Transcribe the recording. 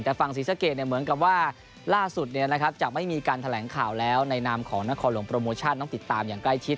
แต่ฝั่งศรีสะเกดเหมือนกับว่าล่าสุดจะไม่มีการแถลงข่าวแล้วในนามของนครหลวงโปรโมชั่นต้องติดตามอย่างใกล้ชิด